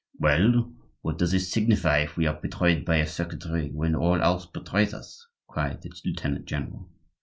"Well, what does it signify if we are betrayed by a secretary when all else betrays us?" cried the lieutenant general.